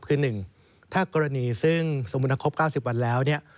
คือ๑ถ้ากรณีซึ่งสมมุติครบ๙๐วันแล้วเนี่ย